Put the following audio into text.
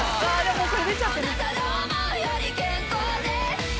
「あなたが思うより健康です」